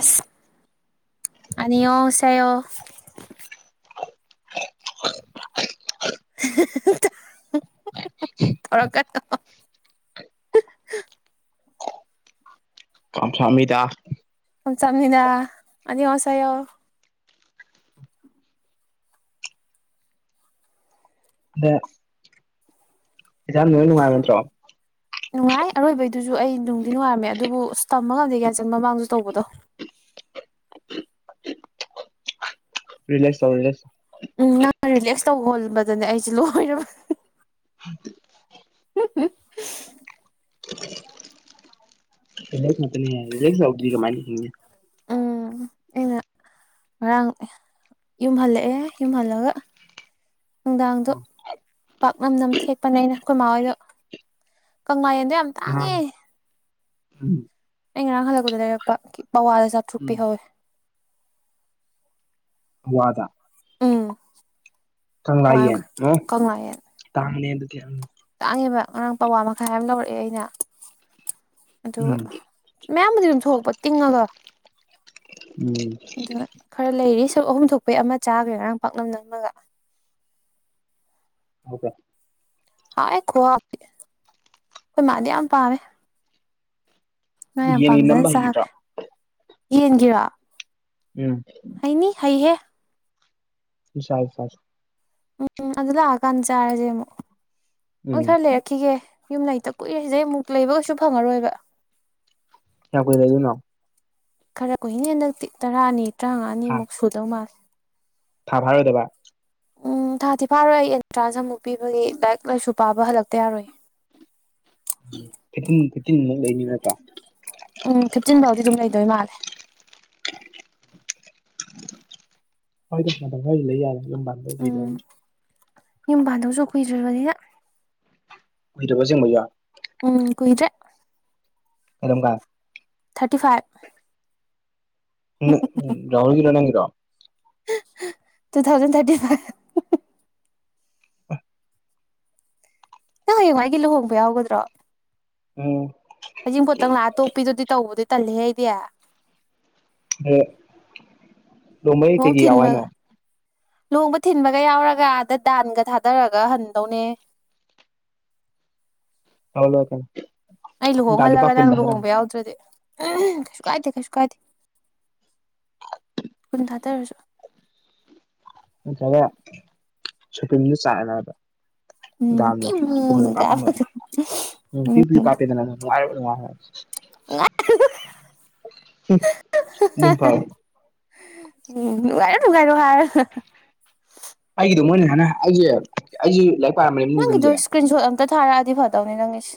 ꯑꯁ [unintelligible] ꯊꯔ ꯀꯅꯣ [unintelligible] [unintelligible] ꯑ ꯏꯁꯥꯅ ꯂꯣꯏ ꯅꯨꯡꯉꯥꯏꯕ ꯅꯠꯇ꯭ꯔꯣ ꯅꯨꯡꯉꯥꯏ ꯑꯔꯣꯏꯕꯩꯗꯨꯁꯨ ꯑꯩ ꯅꯨꯡꯗꯤ ꯅꯨꯡꯉꯥꯏꯔꯝꯃꯦ ꯑꯗꯨꯕꯨ ꯑꯁ ꯇꯝꯕ ꯉꯝꯗꯦ ꯀꯌꯥꯟꯆꯟ ꯃꯃꯥꯡꯁꯨ ꯇꯧꯕꯗꯣ ꯔꯤꯂꯦꯛꯁ ꯇꯧ ꯔꯤꯂꯦꯛꯁ ꯎꯝ ꯅꯪ ꯔꯤꯂꯦꯛꯁ ꯇꯧ ꯍꯣꯟꯕꯗꯅꯦ ꯑꯩꯁꯦ ꯂꯣꯏꯔꯕꯅꯤ [unintelligible] [inaudible] ꯔꯤꯂꯦꯛꯁ ꯉꯥꯛꯇꯅꯤꯟ ꯔꯤꯂꯦꯛꯁ ꯌꯥꯎꯗꯔꯗꯤ ꯀꯃꯥꯏ ꯂꯤꯅꯤꯡꯦ ꯎꯝ ꯑꯩꯅ ꯉꯔꯥꯡ ꯌꯨꯝ ꯍꯜꯂꯛꯑꯦ ꯌꯨꯝ ꯍꯜꯂꯒ ꯅꯨꯡꯗꯥꯡꯗꯣ ꯄꯥꯛꯅꯝ ꯅꯝ ꯊꯦꯛꯄꯅꯦꯅ ꯑꯩꯈꯣꯏꯃꯥ ꯍꯣꯏꯗꯣ ꯀꯪꯂꯪꯥꯏꯗꯣ ꯌꯥꯝ ꯑ ꯇꯥꯡꯉꯦ ꯎꯝ ꯑꯩ ꯉꯔꯥꯡ ꯍꯜꯂꯛꯄꯗ ꯂꯩꯔꯛꯄ ꯕꯋꯥꯗ ꯆꯥꯇ꯭ꯔꯨꯛ ꯎꯝ ꯄꯤꯍꯧꯋꯦ ꯋꯥꯗ ꯎꯝ ꯄꯋꯥ ꯀꯪꯂꯒꯤꯅ ꯌꯥꯡꯈꯩ ꯑꯣ ꯀꯪꯂꯥ ꯌꯦꯟ ꯇꯥꯡꯅꯦ ꯑꯗꯨ ꯇꯥꯡꯉꯦꯕ ꯉꯔꯥꯡ ꯄꯋꯥ ꯃꯈꯥꯏ ꯑꯃ ꯂꯧꯔꯛꯑꯦ ꯑꯩꯅ ꯑꯗꯨ ꯎꯝ ꯃꯌꯥꯝꯕꯨꯗꯤ ꯑꯗꯨꯝ ꯁꯣꯛꯄ ꯇꯤꯡꯉꯒ ꯎꯝ ꯑꯗꯨꯒ ꯈꯔ ꯂꯩꯔꯤ ꯁ ꯑꯍꯨꯝ ꯊꯣꯛꯄꯩ ꯑꯃ ꯆꯥꯈ꯭ꯔꯦ ꯉꯔꯥꯡ ꯄꯥꯛꯅꯝ ꯅꯪꯃꯒ [unintelligible] ꯍꯥꯎꯋꯦ ꯈꯨꯋꯦꯗꯤ ꯑꯩꯈꯣꯏ ꯃꯥꯗꯤ ꯌꯥꯝ ꯄꯝ ꯉꯥ ꯌꯥꯝ ꯌꯦꯟꯒꯤ ꯄꯥꯝꯖꯅ ꯅꯝꯕ ꯍꯩꯒꯗ꯭ꯔꯣ ꯆꯥꯈ꯭ꯔꯦ ꯌꯦꯟꯒꯤꯔ ꯎꯝ ꯑꯩꯅꯤ ꯍꯩꯍꯦ ꯌꯥꯥꯏ ꯐꯥꯏ [inaudible] ꯑꯗꯨꯗ ꯂꯥꯛꯑꯀꯥꯟꯗ ꯆꯥꯔꯁꯦ ꯑꯃꯨꯛ ꯑꯗꯣ ꯎꯝ ꯈꯔ ꯂꯩꯔꯛꯈꯤꯒꯦ ꯌꯨꯝ ꯂꯩꯇ ꯀꯨꯏꯔꯤꯗꯩ ꯃꯨꯛ ꯂꯩꯕ ꯀꯩꯁꯨ ꯐꯪꯉꯔꯣꯏꯕ [inaudible] ꯀꯌꯥꯝ ꯀꯨꯏ ꯂꯩꯗꯣꯢꯅꯣ ꯈꯔ ꯀꯨꯏꯅꯦ ꯍꯟꯗꯛꯇꯤ ꯇꯔꯥꯅꯤ ꯊꯥ ꯇꯔꯥꯃꯉꯥꯅꯤꯃꯨꯛ ꯁꯨꯗꯧ ꯃꯥꯜꯂꯦ ꯊꯥ ꯐꯥꯔꯣꯏꯗꯕ ꯎꯝ ꯊꯥꯗꯤ ꯐꯥꯔꯣꯏ ꯑꯩ ꯑꯦꯟꯇ꯭ꯔꯥꯟꯁ ꯑꯃꯨꯛ ꯄꯤꯕꯒꯤ ꯂꯥꯏꯔꯤꯛ ꯂꯥꯏꯁꯨ ꯄꯥꯕ ꯍꯜꯂꯛꯇ ꯌꯥꯔꯣꯏ ꯎ ꯐꯤꯇꯤꯟ ꯐꯤꯇꯤꯟꯃꯨꯛ ꯂꯩꯅꯤ ꯅꯠꯇ꯭ꯔꯥ ꯎꯝ ꯐꯤꯞꯇꯤꯟ ꯐꯥꯎꯗꯤ ꯑꯗꯨꯝ ꯂꯩꯗꯣꯏ ꯃꯥꯜꯂꯦ ꯍꯣꯢꯗ ꯃꯇꯝ ꯈꯔꯗꯤ ꯂꯩ ꯌꯥꯔꯦ ꯄꯨꯟꯅ ꯎꯝ ꯌꯨꯝ ꯄꯥꯟꯗꯧꯁꯨ ꯀꯨꯏꯗ꯭ꯔꯕꯗꯤꯗ ꯍꯨꯗꯕ ꯆꯤꯡꯕ ꯌꯥ ꯎꯝ ꯀꯨꯣꯏꯗ꯭ꯔꯦ ꯀꯔꯝ ꯀ ꯊꯥꯔꯇꯤ ꯐꯥꯏꯚ ꯎꯝ ꯔꯍꯨꯜꯒꯤ ꯂꯅ꯭ꯔꯣ ꯇꯨ ꯊꯥꯎꯖꯟ ꯊꯥꯔꯇꯤ ꯐꯥꯏꯚ ꯑ ꯅ ꯌ ꯃꯥꯒꯤꯜꯣ ꯍꯣꯡꯕ ꯌꯥꯎꯒꯗ꯭ꯔꯣ ꯎꯝ ꯍꯩꯖꯤꯡꯄꯣꯠꯇꯪ ꯂꯥꯛꯑ ꯇꯣꯞꯄꯤꯗꯨꯗꯤ ꯇꯧꯕꯗꯤ ꯇꯜꯂꯤꯍꯦ ꯑꯩꯗꯤ ꯑ ꯂꯨꯍꯣꯡꯕꯩ ꯂꯨꯍꯣꯡ ꯀꯩꯀꯩ ꯌꯥꯎ ꯍꯥꯏꯅꯣ ꯊꯤꯟꯕꯒ ꯂꯨꯍꯣꯡꯕ ꯊꯤꯟꯕꯒ ꯌꯥꯎꯔꯒ ꯑꯥꯗ ꯗꯥꯟꯒ ꯊꯥꯗꯔꯒ ꯍꯟꯗꯧꯅꯦ ꯍ ꯀ [inaudible] ꯑꯩ ꯂꯨꯍꯣꯡꯍꯜꯂꯒ ꯅꯪ ꯂꯨꯍꯣꯡꯕ ꯌꯥꯎꯗ꯭ꯔꯗꯤ ꯎꯝ ꯀꯩꯁꯨ ꯀꯥꯏꯗꯦ ꯀꯩꯁꯨ ꯀꯥꯏꯗꯦ ꯀꯨꯟ ꯊꯥꯗꯔꯁꯨ ꯅꯠꯇꯒ ꯁꯣꯄꯤꯡꯗ ꯆꯥꯛꯕ ꯎꯝ [inaudible] ꯄꯤꯃꯨꯅ ꯀꯄꯝꯕ ꯀꯥꯞꯄꯗꯣ [inaudible] ꯎ ꯇꯤ ꯄꯥꯤꯗꯅ [inaudible] ꯑꯗꯨꯝ ꯐꯔꯦ [inaudible] ꯎꯝ ꯅꯨꯡꯉꯥꯏꯔꯣ ꯅꯨꯡꯉꯥꯏꯔꯣ ꯍꯥꯏꯔꯣ ꯑꯩꯒꯤꯗꯣ ꯃꯣꯏꯅ ꯁꯨꯃꯥꯢꯅ ꯑꯩꯁꯦ ꯑꯩꯁꯦ ꯂꯥꯏꯔꯤꯛ ꯄꯥꯔꯝꯕꯅꯦ ꯅꯪꯒꯤꯗꯣ ꯅꯨꯡꯗꯤꯟꯁꯦ ꯏꯁꯀ꯭ꯔꯤꯟ ꯁꯣꯠ ꯑꯝꯇ ꯊꯥꯔꯛꯑꯗꯤ ꯐꯗꯧꯅꯤ ꯅꯪꯒꯤꯁꯦ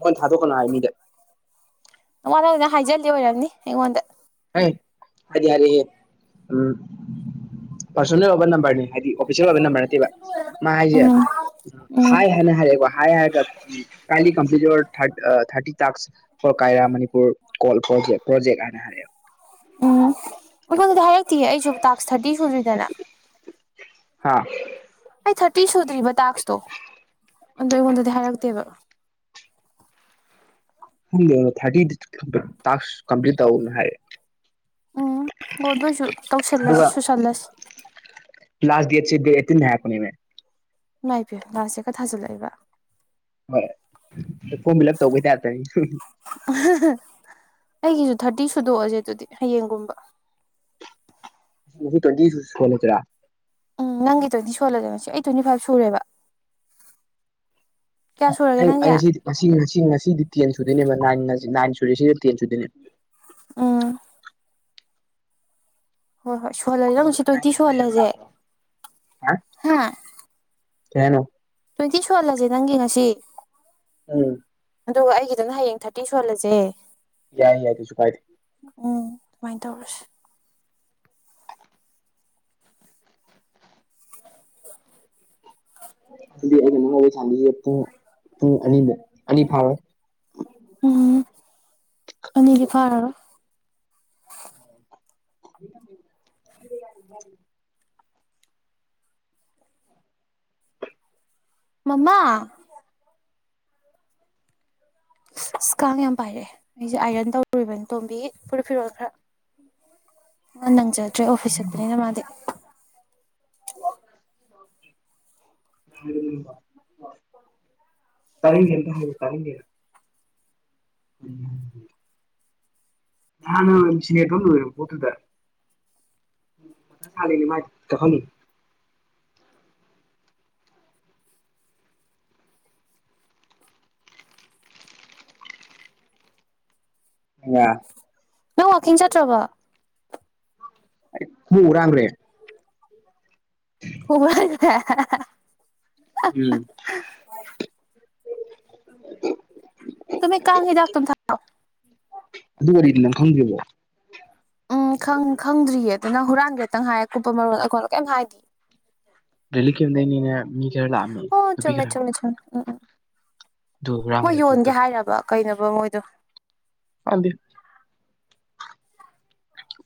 ꯃꯣꯏꯅ ꯊꯥꯗꯣꯛꯀꯅꯣ ꯍꯥꯏ ꯃꯤꯗ ꯅꯋꯥ ꯂꯧꯗꯦ ꯍꯥꯏꯖꯜꯂꯤ ꯑꯣꯏꯔꯝꯅꯤ ꯑꯩꯉꯣꯟꯗ ꯍꯦ ꯍꯥꯢꯗꯤ ꯍꯥꯏꯔꯛꯑꯦ ꯎꯝ ꯄꯔꯁꯣꯅꯦꯟ ꯑꯣꯕ ꯅꯝꯕꯔꯅꯤ ꯍꯥꯏꯗꯤ ꯑꯣꯐꯤꯁꯦꯜ ꯑꯣꯏꯕ ꯅꯝꯕꯔ ꯅꯠꯇꯦꯕ ꯃꯥ ꯍꯥꯏꯁꯦ ꯎꯝ ꯎꯝ ꯍꯥꯏ ꯍꯥꯏꯅ ꯍꯥꯏꯔꯦꯀꯣ ꯍꯥꯏ ꯍꯥꯏꯔꯒ ꯀꯥꯢꯟꯂꯤ complete your thirty tax for ꯀꯥꯔꯔꯥ ꯃꯅꯤꯄꯨꯔ ꯀꯣꯜ ꯄ꯭ꯔꯣ ꯄ꯭ꯔꯣꯖꯦꯛ ꯍꯥꯏꯅ ꯍꯥꯏꯔꯦ ꯎꯝ ꯑꯩꯉꯣꯟꯗꯗꯤ ꯍꯥꯏꯔꯛꯇꯦꯌꯦ ꯑꯩꯁꯨ ꯇꯥꯛꯁ ꯊꯥꯔꯇꯤ ꯁꯨꯗ꯭ꯔꯤꯗꯅ ꯍꯥꯥ ꯑꯩ ꯊꯥꯔꯇꯤ ꯁꯨꯗ꯭ꯔꯤꯕ ꯇꯥꯛꯁꯇꯣ ꯑꯗꯣ ꯑꯩꯉꯣꯟꯗꯗꯤ ꯍꯥꯏꯔꯛꯇꯦꯕ ꯈꯪꯗꯦ ꯑꯗꯣ ꯊꯥꯔꯇꯤ ꯇꯦꯛꯁ ꯀꯝꯄ꯭ꯂꯤꯠ ꯇꯧꯅ ꯍꯥꯏꯔꯛꯑꯦ ꯎꯝ ꯍꯣ ꯑꯗꯨ ꯑꯣꯏꯁꯨ ꯇꯧꯁꯜꯂꯁꯤ ꯑꯗꯨꯒ ꯁꯨꯁꯜꯂꯁꯤ ꯂꯥꯁ ꯗꯦꯠꯁꯦ ꯗꯦꯠ ꯑꯦꯠꯇꯤꯟꯅꯦ ꯍꯥꯏꯕꯅꯤꯅꯦ ꯏꯃꯥꯏ ꯄꯦꯝꯃ ꯂꯥꯁ ꯗꯦꯠꯀ ꯊꯥꯖꯜꯂꯛꯏꯕ ꯍꯣꯏ ꯐꯣꯔꯝ ꯐꯤꯜ ꯑꯞ ꯇꯧꯕꯩ ꯇꯥꯢꯞꯇꯅꯤ ꯑ ꯍꯥ ꯍꯥ ꯑꯩꯒꯤꯁꯨ ꯊꯥꯔꯇꯤ ꯁꯨꯗꯣꯛꯑꯁꯦ ꯑꯗꯨꯗꯤ ꯍꯌꯦꯡꯒꯨꯝꯕ ꯉꯁꯤ ꯇ꯭ꯋꯦꯟꯇꯤ ꯁꯨꯍꯜꯂꯁꯤꯔꯥ ꯎꯝ ꯅꯪꯒꯤꯗꯨꯗꯤ ꯁꯨꯍꯜꯂꯁꯦ ꯉꯁꯤ ꯑꯩꯒꯤ ꯇ꯭ꯋꯦꯟꯇꯤ ꯐꯥꯏꯚ ꯁꯨꯔꯦꯕ ꯀꯌꯥ ꯁꯨꯔꯒꯦ ꯑꯩ ꯅꯪꯒꯤ ꯑꯩ ꯉꯁꯤꯗꯤ ꯉꯁꯤ ꯉꯁꯤ ꯉꯁꯤꯗꯤ ꯇꯦꯟ ꯁꯨꯗꯣꯏꯅꯦꯕ ꯅꯥꯏꯟ ꯁꯨꯔꯦ ꯁꯤꯒ ꯇꯦꯟ ꯁꯨꯗꯣꯏꯅꯦꯕ ꯎꯝ ꯍꯣꯏ ꯍꯣꯏ ꯁꯣꯏꯍꯂ ꯍꯥ ꯀꯩ ꯍꯥꯏꯅꯣ ꯇ꯭ꯋꯦꯟꯇꯤ ꯁꯨꯍꯜꯂꯁꯦ ꯅꯪꯒꯤ ꯉꯁꯤ ꯎꯝ ꯑꯗꯨꯒ ꯑꯩꯒꯤꯗꯅ ꯍꯌꯦꯡ ꯊꯥꯔꯇꯤ ꯁꯣꯍꯜꯂꯁꯦ ꯌꯥꯏ ꯌꯥꯏ ꯀꯩꯁꯨ ꯀꯥꯏꯗꯦ ꯎꯝ ꯑꯗꯨꯃꯥꯏꯟ ꯇꯧꯔꯁꯤ ꯑꯗꯨꯗꯤ ꯑꯩꯅ ꯅꯉꯣꯏ ꯁꯥꯟꯕꯤꯁꯦ ꯄꯨꯡ ꯄꯨꯡ ꯑꯅꯤꯃꯨꯛ ꯑꯅꯤ ꯐꯥꯔꯣꯏ ꯎꯝ ꯑꯅꯤꯗꯤ ꯐꯥꯔꯔꯣꯏ ꯎꯝ [inaudible] [inaudible] ꯃꯃꯥ ꯑꯁ ꯀꯥꯡ ꯌꯥꯝ ꯄꯥꯏꯔꯛꯑꯦ ꯑꯩꯁꯦ ꯑꯥꯏꯔꯟ ꯇꯧꯔꯨꯔꯤꯕꯅꯤ ꯇꯣꯝꯕꯤꯒꯤ ꯐꯨꯔꯤꯠ ꯐꯤꯔꯣꯜ ꯈꯔ ꯅꯪꯖꯗ꯭ꯔꯦ ꯑꯣꯐꯤꯁ ꯆꯠꯄꯅꯤꯅ ꯃꯥꯗꯤ ꯎꯝ ꯇꯔꯦꯡꯒꯦꯦꯟ꯭ꯔ ꯍꯥꯏꯨ ꯇꯔꯦꯡꯒꯦꯔ [inaudible] ꯎꯝ [inaudible] ꯍꯥꯟꯅ ꯁꯦꯝꯕ ꯂꯣꯢꯔꯥ ꯄꯣꯠꯇꯨꯗꯥ [unintelligible] [unintelligible] ꯅꯪ ꯋꯥꯀꯤꯡ ꯆꯠꯇ꯭ꯔꯕꯣ ꯍꯨꯔꯥꯟꯈꯔꯦ [unintelligible] ꯎꯝ [unintelligible] ꯇꯣꯝꯕꯤ ꯀꯥꯡ ꯃꯤꯗꯥꯛꯇꯣ ꯑꯝ ꯊꯥꯔꯛꯑꯣ ꯑꯗꯨ ꯋꯥꯔꯤꯗꯣ ꯅꯪ ꯈꯪꯗ꯭ꯔꯤꯕꯣ ꯎꯝ ꯈꯪ ꯈꯪꯗ꯭ꯔꯤꯌꯦ ꯑꯗꯨꯅ ꯍꯨꯔꯥꯟꯦꯒꯦꯇꯪ ꯍꯥꯏ ꯑꯀꯨꯞꯄ ꯃꯔꯣꯜ ꯑꯩꯈꯣꯗ ꯀꯩꯝ ꯍꯥꯏꯗꯤꯌꯦ ꯂ‌ꯦꯔꯤꯞ ꯀ‌ꯦꯝꯗꯩꯅ‌ꯦꯅ‌ꯦ ꯃꯤ ꯈꯔꯥꯂꯥꯛꯑꯝꯃ‌ꯦ ꯑꯣ ꯅꯨꯄꯤ ꯆꯨꯝꯃꯦ ꯈꯔꯥ ꯆꯨꯝꯃꯦ ꯎꯝ ꯎꯝ ꯃꯣꯏ ꯍꯨꯔꯥꯟꯈ꯭ꯔꯦ ꯌꯣꯟꯒꯦ ꯈꯨꯗꯛꯇ ꯍꯥꯏꯔꯕ ꯀꯩꯅꯣꯕ ꯃꯣꯏꯗꯣ ꯇꯜꯂꯤ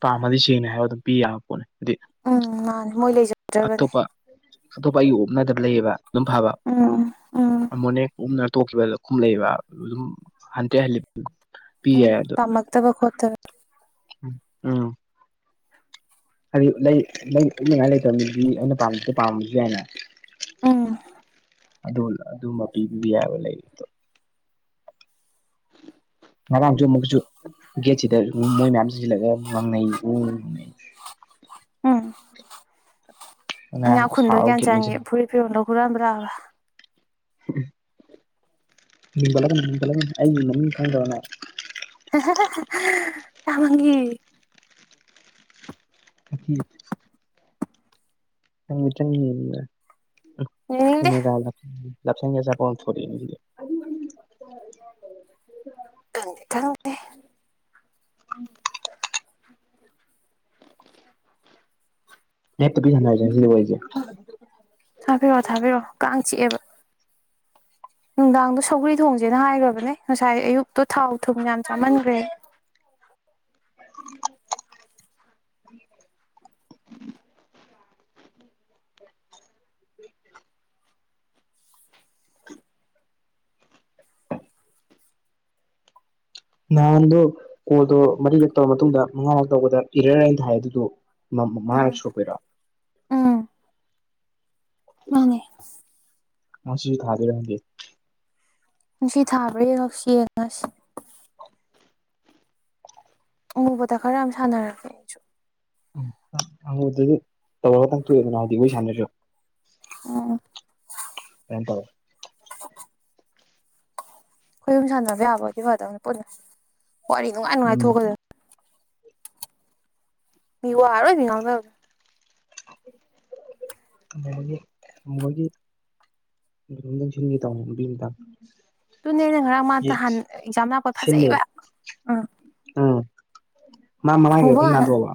ꯄꯥꯝꯃꯗꯤ ꯁꯦꯡꯅ ꯍꯥꯏꯔ ꯑꯗꯨꯝ ꯄꯤ ꯌꯥꯕ ꯄꯣꯠꯅꯤ ꯑꯗꯨꯗꯤ ꯎꯝ ꯃꯥꯥꯟ ꯃꯣꯏ ꯂꯩꯖ ꯑꯇꯣꯞꯄ ꯑꯇꯣꯞꯄ ꯑꯩꯒꯤ ꯑꯨꯞꯅꯗꯕ ꯂꯩꯌꯦꯕ ꯑꯗꯨꯝ ꯐꯕꯥ ꯎꯝ ꯎꯝ ꯑꯃꯣꯅꯦꯛ ꯀꯨꯝꯅ ꯇꯣꯛꯈꯤꯕ ꯈꯨꯝ ꯂꯩꯕ ꯑꯗꯨꯝ ꯍꯟꯇ‌ꯦ ꯍꯜꯂꯤ ꯄꯤ ꯎꯝ ꯌꯥꯏ ꯑꯗꯣ ꯇꯝꯃꯛꯇꯕ ꯈ‌ꫭꯠꯇꯕ ꯎꯝ ꯍꯥꯏꯗꯤ ꯂꯩ ꯂꯩ ꯎꯅꯤꯡꯉꯥꯏ ꯂꯩꯇꯕ ꯃꯤꯗꯤ ꯑꯩꯅ ꯄꯥꯝꯃꯤ ꯄꯥꯝꯃꯤꯁꯨ ꯌꯥꯏꯅ ꯎꯝ ꯑꯗꯨ ꯑꯗꯨꯝꯕ ꯄꯤꯕꯤꯕ ꯌꯥꯏꯕ ꯂꯩꯗꯣ ꯉꯔꯥꯡꯁꯨ ꯃꯨꯛ ꯆꯨꯝ ꯒꯦꯠꯁꯤꯗ ꯃꯣꯏ ꯃꯌꯥꯝ ꯆꯪꯁꯤꯜꯂꯒ ꯉꯪꯅꯩ ꯎꯪ ꯎꯪ ꯎꯝ ꯉꯔꯥꯡ ꯏꯅꯥꯛꯈꯨꯟꯕ ꯁꯥꯎꯔ ꯒꯦꯠ ꯒ꯭ꯌꯥꯟꯆꯥꯡꯒꯤ ꯑꯣꯟꯁꯤꯟ ꯐꯨꯔꯤꯠ ꯐꯤꯔꯣꯟꯗꯣ ꯍꯨꯔꯥꯟꯕ꯭ꯔꯥꯕ ꯃꯤꯡ ꯄꯜꯂꯛꯀꯅꯨ ꯃꯤꯡ ꯄꯜꯂꯛꯀꯅꯨ ꯑꯩ ꯃꯃꯤꯡ ꯈꯪꯗ꯭ꯔꫭ ꯅꯪ ꯇꯥ ꯃꯪꯒꯤ [unintelligible] ꯌꯦꯡꯅꯤꯡꯗꯦ [unintelligible] ꯈꯪꯗ‌ꯦ ꯈꯪꯂ‌ꯦ ꯍꯦꯛꯇ ꯄꯤꯁ ꯁꯥꯟꯅꯔꯁꯦ ꯁꯤꯗꯤ ꯑꯣꯏꯁꯦ ꯊꯥꯗꯔꯣ ꯊꯥꯗꯔꯣ ꯀꯥꯡ ꯆꯤꯛꯑꯦꯕ ꯅꯨꯡꯗꯥꯡꯗꯣ ꯁꯧꯒ꯭ꯔꯤ ꯊꯣꯡꯁꯦꯅ ꯍꯥꯏꯈ꯭ꯔꯕꯅꯦ ꯉꯁꯥꯏ ꯑꯌꯨꯛꯇꯣ ꯊꯥꯎ ꯊꯨꯝ ꯌꯥꯝ ꯆꯥꯝꯃꯟꯈ꯭ꯔꯦ꯫ ꯎꯝ꯫ ꯅꯍꯥꯟꯗꯣ ꯀꯣꯜꯗꯣ ꯃꯔꯤꯔꯛ ꯇꯧꯔ ꯃꯇꯨꯡꯗ ꯃꯉꯥꯃꯛ ꯇꯧꯕꯗ ꯏꯔꯔ ꯍꯥꯏꯅ ꯊ ꯍꯥꯏ ꯑꯗꯨꯗꯣ꯫ ꯃꯃꯥꯅ ꯁꯨꯕꯤꯔꯛꯑꯣ꯫ ꯎꯝ꯫ ꯃꯥꯅꯦ꯫ ꯃꯁꯤ ꯁꯤꯁꯨ ꯊꯥꯗꯣꯢꯔ ꯈꯡꯗꯦ꯫ ꯅꯨꯡꯁꯤ ꯊꯥꯕ꯭ꯔꯦꯉꯛꯁꯤ ꯌꯦꯡꯉꯁꯤ꯫ ꯎꯕꯗ ꯈꯔ ꯌꯥꯝ ꯁꯥꯟꯅꯔꯀꯦ ꯑꯩꯁꯨ [unintelligible] ꯋꯥꯔꯤ ꯁꯥꯟꯅꯗ꯭ꯔꫭ ꯎꯝ [unintelligible] ꯈꫭꯏꯍꯨꯝ ꯁꯥꯟꯅꯕ ꯌꯥꯕꯑꫭꯏꯗꯤ ꯐꯗꯧꯕꯅꯤ ꯄꯨꯟꯅ ꯋꯥꯔꯤ ꯅꯨꯡꯉꯥꯏ ꯅꯨꯡꯉꯥꯏ ꯎꯝ ꯊꯣꯛꯀꯗꯕꯅꯤ ꯃꯤꯋꯥ ꯂꫭꯏꯅ ꯉꯥꯡꯅꯕꯅꯤ [unintelligible] ꯑꯗꯨꯨꯅꯦꯅ ꯉꯔꯥꯡ ꯃꯥꯇ ꯍꯥꯟꯅ ꯑꯦꯛꯖꯥꯝ ꯂꯥꯛꯄ ꯁꯤꯜꯂꯦ ꯐꯖꯩꯕ ꯎꯝ ꯎꯝ꯫ ꯃꯥ ꯃꯃꯥꯏꯒ ꯎꯕ ꯈꯔ ꯀꯥꯟ ꯅꯥꯟꯊꯣꯛꯑꯕ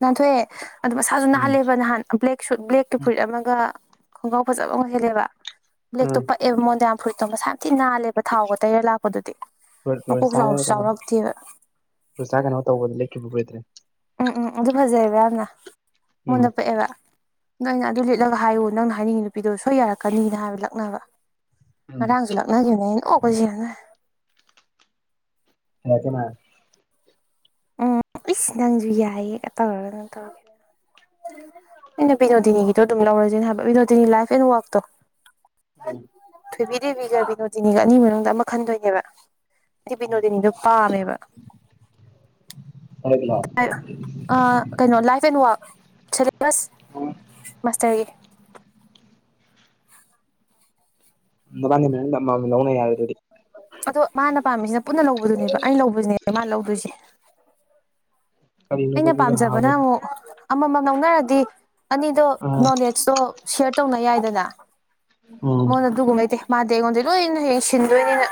ꯅꯥꯟꯊꯣꯛꯑꯦ ꯑꯗꯨ ꯃꯁꯥꯁꯨ ꯎꯝ ꯅꯥꯍꯜꯂꯦꯕ ꯅꯍꯥꯟ꯫ ꯕ꯭ꯂꯦꯛ ꯁꯨꯠ ꯕ꯭ꯂꯦꯛꯀꯤ ꯐꯨꯔꯤꯠ ꯑꯃꯒ ꯈꯣꯡꯒ꯭ꯔꯥꯎ ꯐꯖꯕ ꯑꯃ ꯁꯦꯠꯂꯦꯕ ꯕ꯭ꯂꯦꯛꯇꯣ ꯎꯝ ꯄꯛꯑꯦꯕ ꯃꯣꯟꯗ ꯌꯝ꯫ ꯐꯨꯔꯤꯠꯇꯣ ꯃꯁꯥꯝꯊꯤ ꯅꯥꯜꯂꯦꯕ ꯊꯥꯎꯒ ꯇꯩꯔ ꯂꯥꯛꯄꯗꯨꯗꯤ ꯃꯀꯣꯛ ꯔꯣꯖꯥꯒ ꯆꯥꯎꯕꯁꯨ ꯀꯩꯅꯣ ꯆꯥꯎꯔꯛꯇꯦꯕ꯫ [unintelligible] ꯀꯩꯅꯣ ꯇꯧꯕꯗ ꯂꯦꯟꯈꯤꯕ ꯐꯨꯔꯤꯠꯇꯨꯅꯤ꯫ ꯎꯝ ꯎꯝ ꯑꯗꯨ ꯐꯖꯩꯑꯕ ꯌꯥꯝꯅ ꯎꯝ ꯃꯑꯣꯟꯗ ꯄꯥꯛꯑꯦꯕ꯫ ꯅꯪ ꯑꯗꯨ ꯂꯤꯠꯂꯒ ꯍꯥꯏꯌꯨ ꯅꯪꯅ ꯍꯥꯏꯅꯤꯡꯉꯤ ꯅꯨꯄꯤꯗꯣ ꯁꯣꯏ ꯌꯥꯔꯛꯀꯅꯤꯅ ꯍꯥꯏꯕ ꯂꯛꯅꯕ ꯎꯝ ꯉꯔꯥꯡꯁꯨ ꯂꯛ꯫ [unintelligible] ꯍ ꯀ ꯃꯥ꯫ ꯎꯝ ꯏꯁꯁꯅꯪꯁꯨ ꯌꯥꯏꯑꯦꯒ ꯇꯧꯔꯒ ꯅꯪ ꯇꯧꯔꯒꯦ꯫ ꯑꯩꯅ ꯕꯤꯅꯣꯗꯤꯅꯤꯒꯤꯗꯣ ꯑꯗꯨꯝ ꯂꯧꯔꯁꯤꯅ ꯍꯥꯏꯕ ꯕꯤꯅꯣꯗꯤꯅꯤ ꯂꯥꯏꯐ ꯑꯦꯟ ꯋꯥꯛꯇꯣ꯫ ꯎꯝ ꯊꯣꯏꯕꯤꯗꯦꯕꯤꯒ ꯕꯤꯅꯣꯗꯤꯅꯤꯒ ꯑꯅꯤ ꯃꯅꯨꯡꯗ ꯑꯃ ꯈꯟꯗꯣꯏꯅꯦꯕ꯫ ꯑꯩ ꯕꯤꯅꯣꯗꯤꯅꯤꯗꯣ ꯄꯥꯝꯃꯦꯕ꯫ ꯍꯣ [unintelligible] ꯑ ꯀꯩꯅꯣ ꯂꯥꯏꯐ ꯑꯦꯟ ꯋꯥꯛ ꯁꯦꯂꯦꯕꯁ ꯃꯥꯁꯇꯔꯒꯤ꯫ ꯅꯕꯥꯅꯤ ꯃꯅꯨꯡꯗ ꯑꯃꯃꯝ ꯂꯧꯅ ꯌꯥꯔꯦ ꯑꯗꯨꯗꯤ꯫ ꯑꯗꯣ ꯃꯥꯅ ꯄꯥꯝꯃꯤꯁꯤꯅ ꯄꯨꯟꯅ ꯂꯧꯕꯗꯨꯅꯦꯕ ꯑꯩꯅ ꯂꯧꯕꯁꯤꯅꯦꯕ ꯃꯥ ꯂꯧꯗꯣꯏꯁꯦ꯫ ꯀꯔꯤꯅꯣꯕ ꯑꯩꯅ ꯑꯗꯨꯁꯨ ꯄꯥꯝꯖꯕ ꯅ ꯍꯥꯎꯕꯅꯤ ꯑꯃꯨꯛ꯫ ꯑꯃꯃꯝ ꯂꯧꯅꯔꯗꯤ ꯑꯅꯤꯗꯣ ꯑꯥ ꯅꯣꯂꯦꯖꯇꯣ ꯁꯤꯌꯔ ꯇꯧꯅ ꯌꯥꯏꯗꯅ꯫ ꯎꯝ ꯃꯑꯣꯟꯗ ꯑꯗꯨꯒꯨꯝꯕ ꯂꯩꯇꯦ ꯃꯥꯗꯤ ꯑꯩꯑꯣꯟꯗꯩ ꯂꯣꯏ ꯍꯌꯦꯡ ꯁꯤꯟꯗꯣꯏꯅꯤꯅ꯫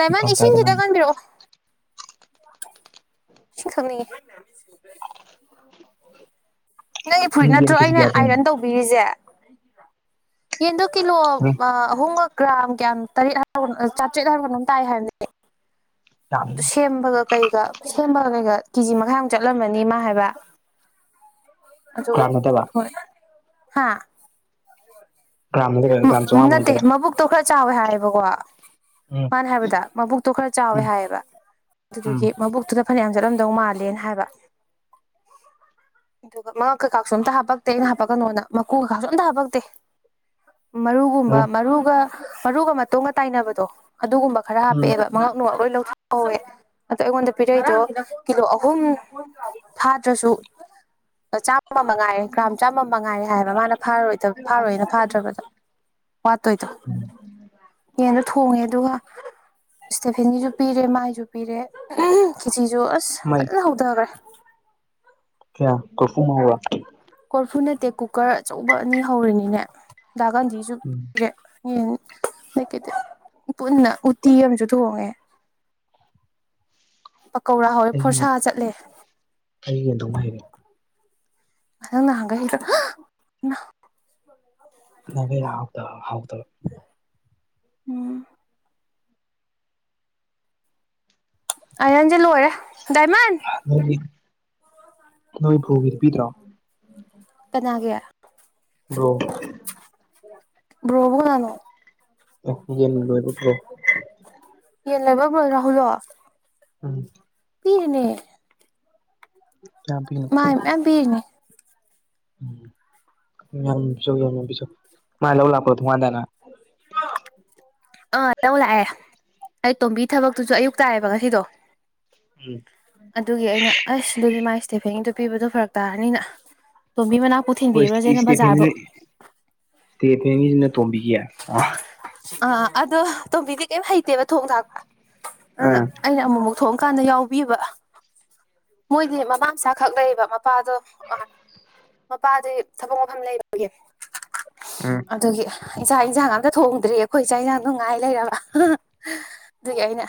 ꯗꯥꯏꯃꯟ ꯐꯔꯛ ꯇꯥꯏꯗ ꯏꯁꯤꯡꯁꯤꯈꯤꯗ ꯃꯥꯅꯤ ꯀꯟꯕꯤꯔꯛꯑꯣ꯫ ꯁꯤ ꯈꯪꯅꯤ꯫ ꯅꯪꯒꯤ ꯐꯨꯔꯤꯠ ꯌꯦꯟ ꯅꯠꯇ꯭ꯔꯣ ꯀꯦꯖꯤ ꯑꯩꯅ ꯀꯌꯥ ꯊꯣꯡꯉꯤ ꯑꯥꯏꯔꯟ ꯇꯧꯕ꯫ ꯄꯤꯔꯤꯁꯦ ꯌꯦꯟꯗꯣ ꯀꯤꯂꯣ ꯎꯝ ꯑꯍꯨꯝ ꯀ꯫ ꯒ꯭ꯔꯥꯝ ꯀꯌꯥꯝ ꯇꯔꯦꯠ ꯍꯥꯎ ꯆꯥꯇ꯭ꯔꯦꯠ ꯍꯥꯢꯕꯔ ꯀꯩꯅꯣꯝ ꯇꯥꯏꯦ ꯍꯥꯏꯕꯅꯦ꯫ ꯌꯥꯝ ꯑꯗꯨ ꯁꯦꯝꯕꯒ ꯀꯩꯒ ꯁꯦꯝꯕꯒ ꯀꯩꯒ ꯀꯦꯖꯤ ꯃꯈꯥꯏꯃꯨꯛ ꯆꯠꯂꯝꯕꯅꯤ ꯃꯥ ꯍꯥꯏꯕ꯫ ꯑꯗꯨ ꯒ꯭ꯔꯥꯝ ꯅꯠꯇꯕ ꯍꯣꯏ ꯍꯥ꯫ ꯒ꯭ꯔꯥꯝ ꯅꯠꯇꯕ ꯒ꯭ꯔꯥꯝ ꯆꯥꯝꯃꯉꯥꯃꯨꯛ ꯅꯠꯇꯦ ꯅꯠꯇꯕ ꯃꯕꯨꯛꯇꯣ ꯈꯔ ꯆꯥꯎꯋꯦ ꯍꯥꯏꯌꯦꯕꯀꯣ꯫ ꯎꯝ ꯃꯥꯅ ꯍꯥꯏꯕꯗ ꯃꯕꯨꯛꯇꯣ ꯈꯔ ꯆꯥꯎꯋꯦ ꯎꯝ ꯍꯥꯏꯌꯦꯕ ꯎꯝ ꯑꯗꯨꯗꯨꯒꯤ ꯃꯕꯨꯛꯇꯨꯗ꯫ ꯐꯅꯌꯥꯝ ꯆꯠꯂꯝꯗꯧ ꯃꯥꯜꯂꯦꯅ ꯍꯥꯏꯕ꯫ ꯑꯗꯨꯒ ꯃꯉꯛ ꯀꯩꯀꯁꯨ ꯑꯝꯇ ꯍꯥꯄꯛꯇꯦ ꯑꯩꯅ ꯍꯥꯄꯛꯀꯅꯣꯅ ꯃꯀꯨ ꯀꯩꯀꯥꯁꯨ ꯑꯝꯇ ꯍꯥꯄꯛꯇꯦ꯫ ꯃꯔꯨꯒꯨꯝꯕ ꯑꯣ ꯃꯔꯨꯒ ꯃꯔꯨꯒ ꯃꯇꯣꯒ ꯇꯥꯏꯅꯕꯗꯣ ꯑꯗꯨꯒꯨꯝꯕ ꯈꯔ ꯎꯝ ꯍꯥꯞꯄꯛꯑꯦꯕ꯫ ꯃꯉꯛ ꯅꯨꯡ ꯂꯣꯏ ꯂꯧꯊꯣꯛꯍꯧꯋꯦ꯫ ꯑꯗꯣ ꯑꯩꯉꯣꯟꯗ ꯄꯤꯔꯛꯏꯗꯣ ꯀꯤꯂꯣ ꯑꯍꯨꯝ ꯐꯗ꯭ꯔꯁꯨ꯫ ꯆꯥꯝꯃꯉꯥꯏꯦ ꯒ꯭ꯔꯥꯝ ꯆꯥꯝꯃ ꯃꯉꯥꯏꯔꯦ ꯍꯥꯏꯕ ꯃꯥꯅ ꯐꯥꯔꯣꯏꯅꯥ ꯐꯥ꯫ ꯃꯥ ꯇꯧꯗꯣ ꯌꯦꯟꯗꯣ ꯊꯣꯡꯉꯦ ꯑꯗꯨꯒ ꯏꯁꯇꯦꯐꯦꯟ ꯒꯤꯁꯨ ꯄꯤꯔꯦ ꯃꯥꯏꯁꯨ ꯄꯤꯔꯦ ꯈꯦꯆꯤꯁꯨ ꯑꯁ ꯃꯥꯏ ꯐꯖꯅ ꯍꯧꯊꯈ꯭ꯔꯦ ꯀꯌꯥ ꯀꯐꯨꯃ [inaudible] ꯀꯣꯔꯐꯨ ꯅꯠꯇꯦ ꯀꯨꯀꯔ ꯑꯆꯧꯕ ꯑꯅꯤ ꯍꯧꯔꯅꯤꯅꯦ ꯗꯥ ꯒꯥꯟꯙꯤꯁꯨ ꯎꯝ ꯄꯤꯔꯦ ꯌꯦ ꯀꯩ ꯄꯨꯟꯅ ꯎꯇꯤ ꯑꯃꯁꯨ ꯊꯣꯡꯉꯦ ꯄꯀꯧꯔꯥ ꯍꯧꯋꯦ ꯐꯣꯔꯁꯥ ꯆꯠꯂꯦ ꯑꯩ ꯀꯩꯅꯣꯝ ꯍꯥꯏꯒꯦ ꯅꯪ ꯉꯍꯟꯒꯩ [unintelligible] ꯅꯚ ꯍꯥꯎꯗ ꯍꯥꯎꯗꯕ꯫ ꯎꯝ꯫ ꯑꯥꯏꯔꯟꯁꯦ ꯂꯣꯏꯔꯦ ꯗꯥꯏꯃꯟ꯫ ꯅꯣꯏꯒꯤ ꯅꯣꯏꯕꯨꯨꯒꯤꯄꯤꯗ꯭ꯔꯣ꯫ ꯀꯅꯥꯒꯤ꯫ ꯕ꯭ꯔꯣ ꯕ꯭ꯔꯣꯕꯨ ꯀꯅꯥꯅꯣ ꯌꯦ ꯂꯣꯏꯔꯨꯠꯇ꯭ꯔꯣ꯫ ꯌꯦꯟ ꯂꯩꯕ ꯂꯣꯏꯔ ꯍꯧꯂꯣ [inaudible] ꯎꯝ ꯄꯤꯔꯅꯦ ꯀꯄꯤ [inaudible] ꯃꯅ ꯃꯌꯥꯝ ꯕꯤꯔꯤꯅꯦ ꯎꯝ ꯌꯥꯝꯁꯨ ꯌꯥꯝ ꯌꯥꯝꯕꯤ ꯃꯥ ꯂꯧ ꯂꯥꯛꯄ꯭ꯔꯣ [inaudible] ꯊꯣꯉꯥꯟꯗꯥꯅ [unintelligible] ꯑꯥ ꯂꯧ ꯂꯥꯛꯑꯦ ꯑꯩ ꯇꯣꯝꯕꯤ ꯊꯕꯛꯇꯨꯁꯨ ꯑꯌꯨꯛ ꯇꯥꯥꯢꯌꯦꯕ ꯉꯁꯤꯗꯣ ꯎꯝ ꯑꯗꯨꯒꯤ ꯑꯩꯅ ꯑꯁ ꯑꯗꯨꯗꯤ ꯃꯥꯏ ꯏꯁꯇꯦꯐꯦꯟꯒꯤꯗꯨ ꯄꯤꯕꯗꯣ ꯐꯔꯛ ꯇꯥꯔꯅꯤꯅ ꯇꯣꯝꯕꯤ ꯃꯅꯥꯛ ꯍꯣꯏ ꯏꯁꯇꯦꯐꯦꯟꯅ ꯏꯁꯇꯦꯐꯦꯟꯒꯤꯁꯤꯅ ꯇꯣꯝꯕꯤꯒꯤ ꯑꯥ ꯑꯗꯣ ꯇꯣꯝꯕꯤꯗꯤ ꯀꯩꯝ ꯍꯩꯇꯦꯕ ꯊꯣꯡ ꯊꯥꯛꯄ ꯑꯗꯨꯅ ꯑꯥ ꯑꯩꯅ ꯑꯃꯨꯛꯃꯨꯛ ꯊꯣꯛꯑꯀꯥꯟꯗ ꯌꯥꯎꯕꯤꯕ ꯃꯣꯏꯗꯤ ꯃꯃꯥ ꯃꯆꯥ ꯈꯛ ꯂꯩꯌꯦꯕ ꯃꯄꯥꯗꯣ ꯑ ꯃꯄꯥꯗꯤ ꯊꯕꯛ ꯃꯐꯝ ꯂꯩꯕꯒꯤ ꯑꯝ ꯑꯗꯨꯒꯤ ꯆꯥꯥꯛ ꯏꯟꯁꯥꯡ ꯑꯝꯇ ꯊꯣꯡꯗ꯭ꯔꯤ ꯑꯩꯈꯣꯏ ꯆꯥꯛ ꯏꯟꯁꯥꯡꯗꯣ ꯉꯥꯏ ꯂꯩꯔꯕ ꯑꯗꯨꯒꯤ ꯑꯩꯅ